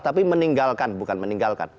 tapi meninggalkan bukan meninggalkan